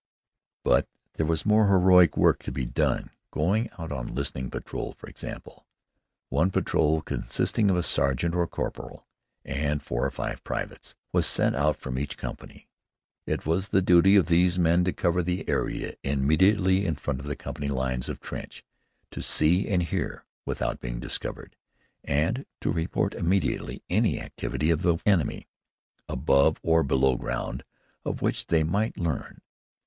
But there was more heroic work to be done: going out on listening patrol, for example. One patrol, consisting of a sergeant or a corporal and four or five privates, was sent out from each company. It was the duty of these men to cover the area immediately in front of the company line of trench, to see and hear without being discovered, and to report immediately any activity of the enemy, above or below ground, of which they might learn.